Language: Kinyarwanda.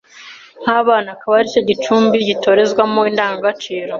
n’abana. Akaba aricyo gicumbi gitorezwamo indangagaciro